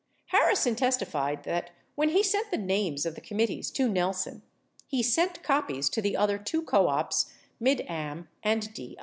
Harrison testified that when he sent the names of the committees to Nelson, he sent copies to the other two co ops, Mid Am and HI.